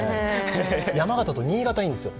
山形と新潟、いいんですよ。